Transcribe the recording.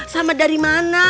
sama dari mana